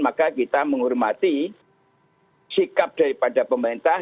maka kita menghormati sikap daripada pemerintah